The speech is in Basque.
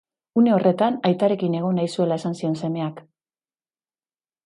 Une horretan, aitarekin egon nahi zuela esan zion semeak.